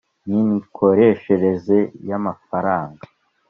N imikoreshereze y amafaranga